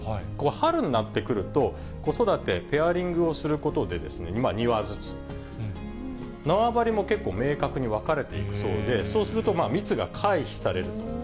春になってくると、子育て、ペアリングをすることで、２羽ずつ、縄張りも結構明確に分かれているそうで、そうすると、密が回避されると。